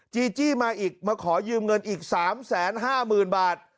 จีจี้มาอีกมาขอยืมเงินอีก๓๕๐๐๐บาท